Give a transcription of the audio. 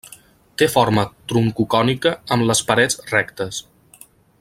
Té forma troncocònica amb les parets rectes.